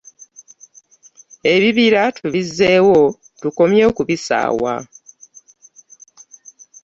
Ebibira tubizzeewo tukomye okubisaawa